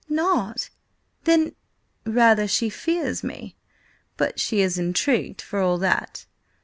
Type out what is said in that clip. "Not! Then—" "Rather, she fears me. But she is intrigued, for all that.